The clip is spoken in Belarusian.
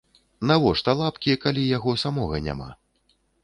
Навошта лапкі, калі яго самога няма?